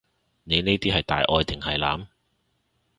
你呢啲係大愛定係濫？